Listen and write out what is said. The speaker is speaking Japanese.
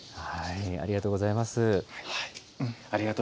ありがとうございます。